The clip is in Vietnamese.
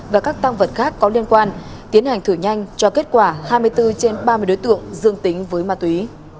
và các tăng vật khác có liên quan tiến hành thử nhanh cho kết quả hai mươi bốn trên ba mươi đối tượng dương tính với ma túy